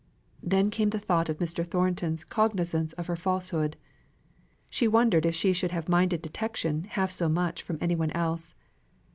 Then came the thought of Mr. Thornton's cognisance of her falsehood. She wondered if she should have minded detection half so much from any one else.